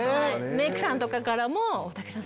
メイクさんとかからも「大竹さん